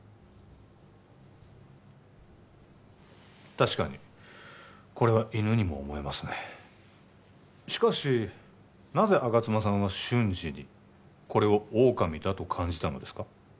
確かにこれは犬にも思えますねしかしなぜ吾妻さんは瞬時にこれを狼だと感じたのですか？